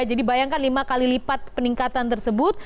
jadi bayangkan lima kali lipat peningkatan tersebut